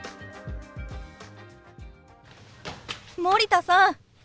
森田さん